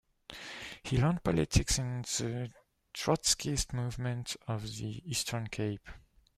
He learned politics in the Trotskyist movement of the Eastern Cape.